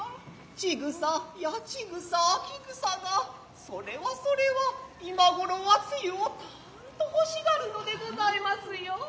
千草八千草秋草がそれはそれは今頃は露を沢山欲しがるのでございますよ。